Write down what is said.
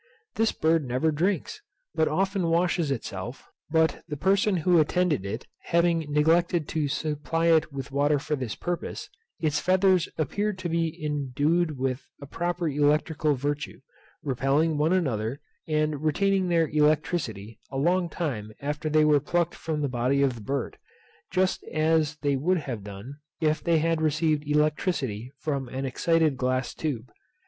This bird never drinks, but often washes itself; but the person who attended it having neglected to supply it with water for this purpose, its feathers appeared to be endued with a proper electrical virtue, repelling one another, and retaining their electricity a long time after they were plucked from the body of the bird, just as they would have done if they had received electricity from an excited glass tube.